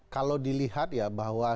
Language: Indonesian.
kalau dilihat ya bahwa